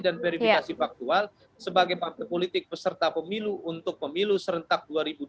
dan verifikasi faktual sebagai partai politik beserta pemilu untuk pemilu serentak dua ribu dua puluh empat